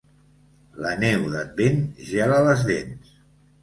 La neu d'Advent gela les dents.